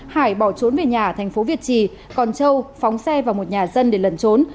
hải bỏ trốn về nhà ở thành phố việt trì còn châu phóng xe vào một nhà dân để lần trốn